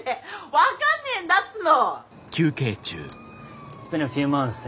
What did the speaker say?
分かんねえんだっつうの！